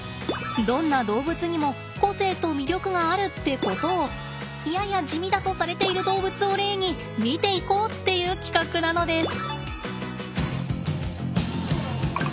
どんな動物にも個性と魅力があるってことをやや地味だとされている動物を例に見ていこうっていう企画なのです。